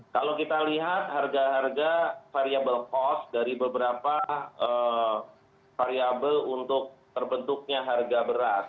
kalau kita lihat harga harga variable cost dari beberapa variable untuk terbentuknya harga beras